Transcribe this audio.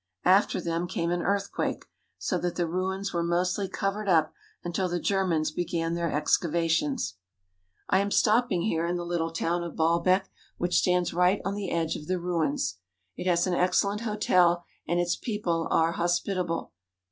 After them came an earthquake, so that the ruins were mostly covered up until the Ger mans began their excavations. I am stopping here in the little town of Baalbek, which 239 THE HOLY LAND AND SYRIA stands right on the edge of the ruins. It has an excellent hotel, and its people are hospitable.